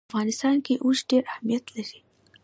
په افغانستان کې اوښ ډېر اهمیت لري.